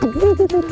tuh tuh tuh